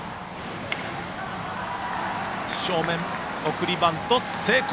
送りバント成功。